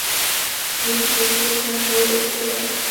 Vnější prostory se nazývají exteriér.